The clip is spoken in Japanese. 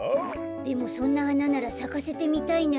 でもそんなはなならさかせてみたいなあ。